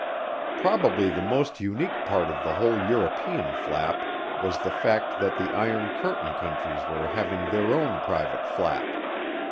Probably the most unique part of the whole European Flap was the fact that the Iron Curtain countries were having their own private flap.